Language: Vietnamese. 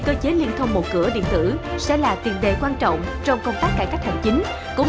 cơ chế liên thông một cửa điện tử sẽ là tiền đề quan trọng trong công tác cải cách hành chính cũng